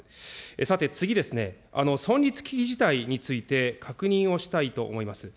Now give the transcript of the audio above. さて、次ですね、存立危機事態について、確認をしたいと思います。